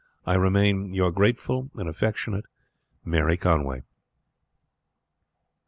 "I remain, "Your grateful and affectionate "MARY CONWAY."